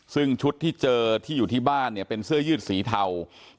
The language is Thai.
ซึ่งชุดที่เจอที่อยู่ที่บ้านเนี่ยเป็นเสื้อยืดสีเทา